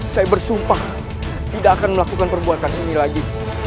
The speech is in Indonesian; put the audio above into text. saya bersumpah tidak akan melakukan perbuatan ini lagi